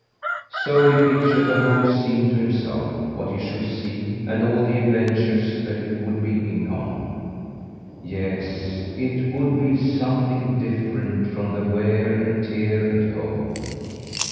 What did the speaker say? So he pictured the whole scene to himself; what he should see, and all the adventures that he would be in on. Yes, it would be something different from the wear and tear at home.